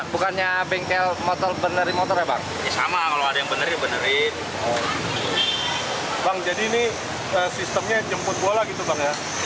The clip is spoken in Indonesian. bukan ini bang selalu membuterin